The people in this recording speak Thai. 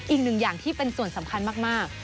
อีกหนึ่งอย่างที่เป็นส่วนสำคัญมาก